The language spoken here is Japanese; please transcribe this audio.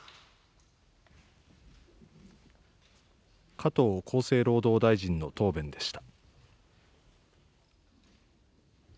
加藤厚生労働大臣の答弁でした。